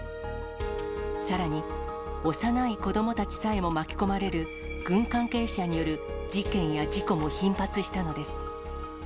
さらに、幼い子どもたちさえも巻き込まれる軍関係者による事件や事故も頻発したのです。